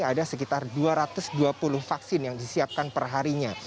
ada sekitar dua ratus dua puluh vaksin yang disiapkan perharinya